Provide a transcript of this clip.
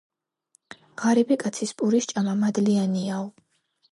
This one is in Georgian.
ღარიბი კაცის პურის ჭამა მადლიანიაო